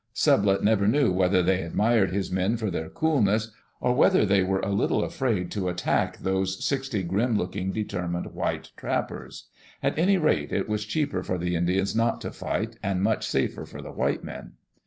Sublette never knew whether they admired his men for their coolness, or whether they were a little afraid to attack those sixty grim looking, determined white trappers. At any rate, it was cheaper for the Indians not to fight, and much safer for the white men.